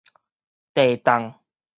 茶凍